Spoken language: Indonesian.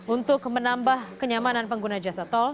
untuk menambah kenyamanan pengguna jasa tol